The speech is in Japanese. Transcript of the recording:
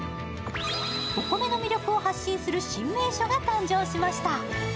お米の魅力を発信する新名所が誕生しました。